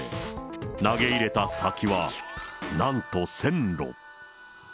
投げ入れた先は、なんと線路。